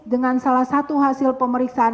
dengan salah satu hasil pemeriksaan